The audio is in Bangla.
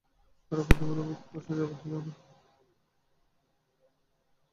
পাঠক প্রথমবারের মতো প্রশ্নের জবাব দিল না।